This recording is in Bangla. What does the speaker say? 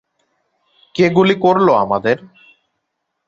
কে গুলি করল আমাদের?